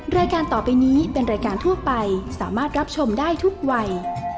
รายการต่อไปนี้เป็นรายการทั่วไปสามารถรับชมได้ทุกวัย